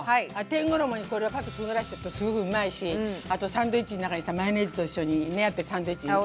天衣にこれをパッとくぐらせるとすぐうまいしあとサンドイッチの中にさマヨネーズと一緒にやってサンドイッチに。